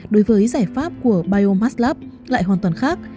đối với giải pháp của biomass lab lại hoàn toàn khác